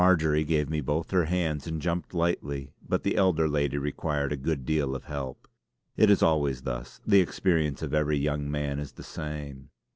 Marjory gave me both her hands and jumped lightly, but the elder lady required a good deal of help. It is always thus; the experience of every young man is the same.